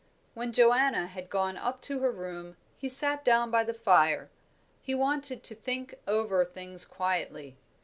When Joanna had gone up to her room, he sat down by the fire. He wanted to think over things quietly.